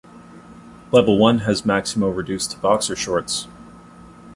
Level one has Maximo reduced to boxer shorts.